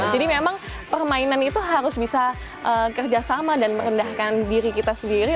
jadi memang permainan itu harus bisa kerja sama dan merendahkan diri kita sendiri